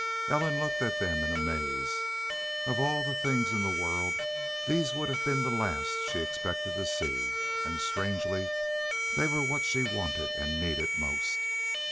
Ellen looked at them in amaze. Of all things in the world, these would have been the last she expected to see. And, strangely, they were what she wanted and needed most.